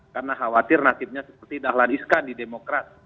karena khawatir nasibnya seperti dahlan iskand di demokrat